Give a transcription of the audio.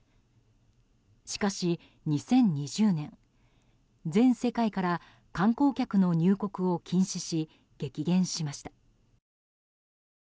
しかし、２０２０年全世界から観光客の入国を禁止し激減しました。